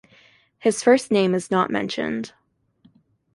His first name is not mentioned.